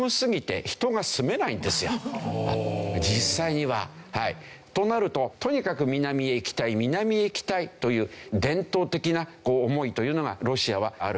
実際には。となるととにかく南へ行きたい南へ行きたいという伝統的な思いというのがロシアはある。